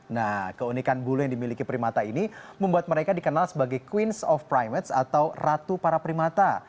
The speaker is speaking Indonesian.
nah keunikan bulu yang dimiliki primata ini membuat mereka dikenal sebagai queens of primate atau ratu para primata